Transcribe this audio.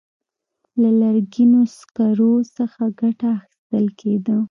له لرګینو سکرو څخه ګټه اخیستل کېده.